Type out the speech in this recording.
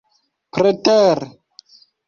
preter